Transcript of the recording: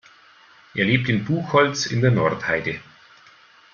Er lebt in Buchholz in der Nordheide.